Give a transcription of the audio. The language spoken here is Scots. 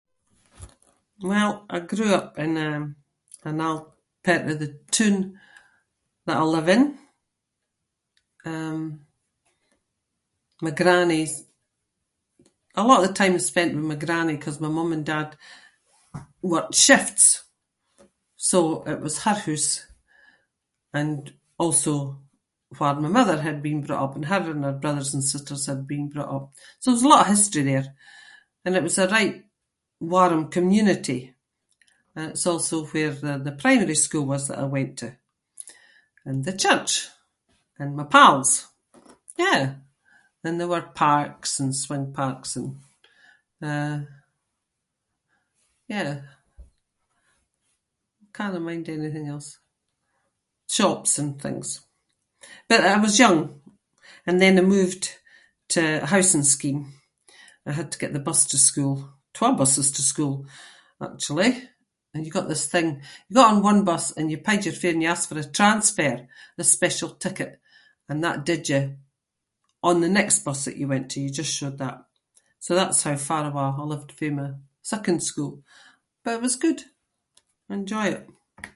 Well I grew up in an old part of the toon that I live in. Um, my grannie's- a lot of the time I spent with my grannie ‘cause my mum and dad worked shifts, so it was her hoose and also where my mother had been brought up and her and her brothers and sisters had been brought up. So there was a lot of history there and it was a right warm community and it’s also where the- the primary school was that I went to, and the church, and my pals. Yeah, and there were parks and swing parks and eh, yeah. Cannae mind anything else- shops and things. But I was young and then I moved to a housing scheme. I had to get the bus to school- twa buses to school, actually, and you got this thing- you got on one bus and you paid your fare and you asked for a transfer, this special ticket, and that did you on the next bus that you went to- you just showed that. So that’s how far awa’ I lived fae my second school but it was good. I enjoy it.